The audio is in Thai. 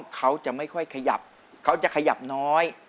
เขาจะไม่ค่อยขยับเขาจะขยับน้อย